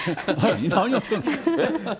何言ってるんですか。